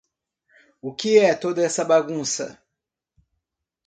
O que é toda essa bagunça?